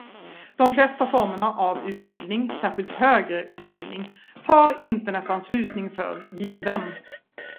De flesta formerna av utbildning, särskilt högre utbildning, tar internetanslutning för given.